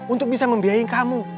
untuk bisa membiayai kamu